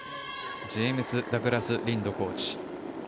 ジェームス・ダグラス・リンドコーチ。